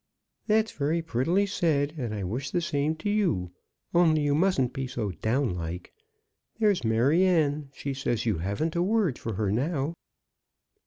"That's very prettily said, and I wish the same to you. Only you mustn't be so down like. There's Maryanne; she says you haven't a word for her now."